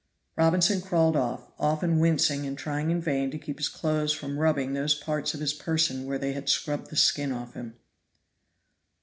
Robinson crawled off, often wincing and trying in vain to keep his clothes from rubbing those parts of his person where they had scrubbed the skin off him.